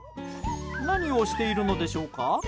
何をしているのでしょうか？